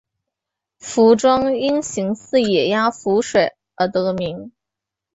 凫庄因形似野鸭浮水而得名。